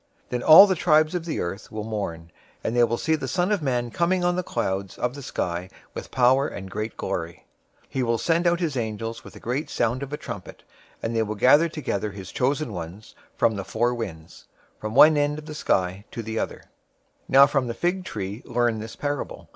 Then all the tribes of the earth will mourn, and they will see the Son of Man coming on the clouds of the sky with power and great glory. 024:031 He will send out his angels with a great sound of a trumpet, and they will gather together his chosen ones from the four winds, from one end of the sky to the other. 024:032 "Now from the fig tree learn this parable.